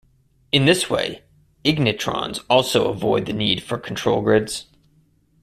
In this way, ignitrons also avoid the need for control grids.